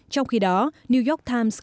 trong khi đó new york times kể rằng